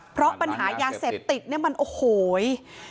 เพราะปัญหายาเสพติดเนี่ยมันโอ้โห